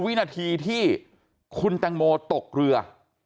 วินาทีที่คุณแตงโมตกเรือ